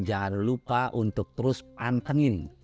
jangan lupa untuk terus pantengin